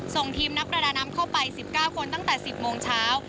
ส่งทีมนักประดาน้ำเข้าไป๑๙คนตั้งแต่๑๐โมงเช้า